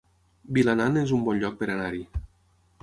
Vilanant es un bon lloc per anar-hi